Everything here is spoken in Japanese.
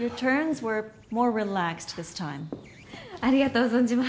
ありがとう存じます。